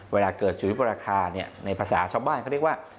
เวลาเกิดสุริปราคาในภาษาชาวบ้านเขาเรียกว่า